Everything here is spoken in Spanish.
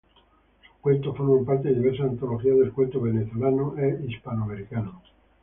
Sus cuentos forman parte de diversas antologías del cuento venezolano e hispanoamericano.